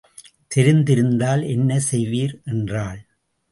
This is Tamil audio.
தெரிந்திருந்தால் என்ன செய்வீர், என்றாள்.